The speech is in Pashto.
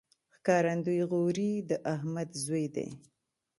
ښکارندوی غوري د احمد زوی دﺉ.